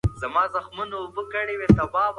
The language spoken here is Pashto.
پوهه د اړیکو د جذبې لامل ګرځي.